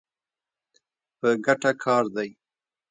په ګټه کار دی.